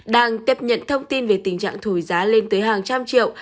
đang tiếp nhận thông tin về tình trạng thổi giá lên tới hàng trăm triệu